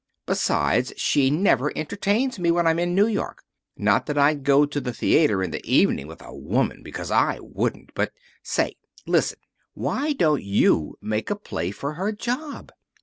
Besides, she never entertains me when I'm in New York. Not that I'd go to the theater in the evening with a woman, because I wouldn't, but Say, listen. Why don't you make a play for her job?